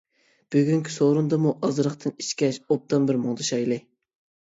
بۈگۈنكى سورۇندىمۇ ئازراقتىن ئىچكەچ، ئوبدان بىر مۇڭدىشايلى.